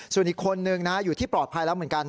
ส่วนอีกคนนึงนะอยู่ที่ปลอดภัยแล้วเหมือนกัน